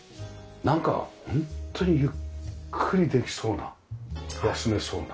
なんかホントにゆっくりできそうな休めそうな。